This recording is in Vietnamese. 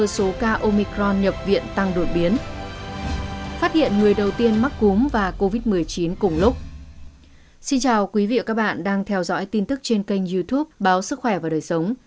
xin chào quý vị và các bạn đang theo dõi tin tức trên kênh youtube báo sức khỏe và đời sống